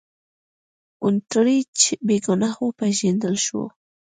هونټریج بې ګناه وپېژندل شو.